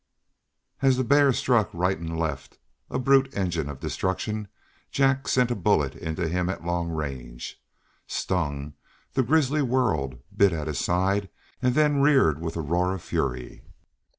As the bear struck right and left, a brute engine of destruction, Jack sent a bullet into him at long range. Stung, the grizzly whirled, bit at his side, and then reared with a roar of fury.